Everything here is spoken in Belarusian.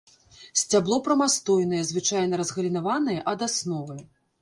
Сцябло прамастойнае, звычайна разгалінаванае ад асновы.